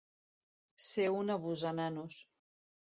Ser un abusananos.